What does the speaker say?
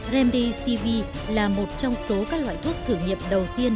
remdesivir là một trong số các loại thuốc thử nghiệm đầu tiên